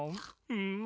うん